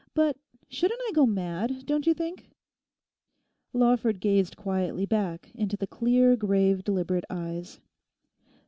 But shouldn't I go mad, don't you think?' Lawford gazed quietly back into the clear, grave, deliberate eyes.